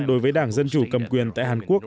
đối với đảng dân chủ cầm quyền tại hàn quốc